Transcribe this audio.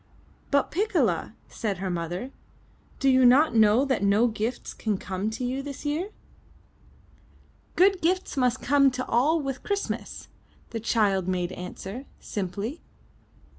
"But, Piccola," said her mother, ''do you not know that no gifts can come to you this year?" 304 UP ONE PAIR OF STAIRS ''Good gifts must come to all with Christmas/' the child made answer, simply.